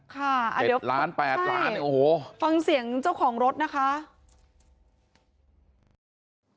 ค่ะเดี๋ยวใช่ฟังเสียงเจ้าของรถนะคะโอ้โห๗ล้าน๘ล้านโอ้โห